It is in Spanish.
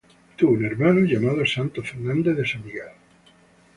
Tuvo un hermano llamado Santos Fernández de San Miguel.